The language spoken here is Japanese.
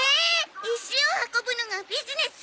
石を運ぶのがビジネス？